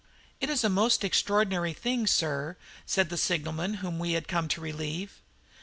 "It is a most extraordinary thing, sir," said the signalman whom we had come to relieve.